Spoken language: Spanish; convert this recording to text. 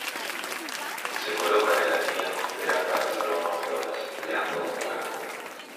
Se colocan en las lineas costeras para hacer los rompeolas empleando una grúa.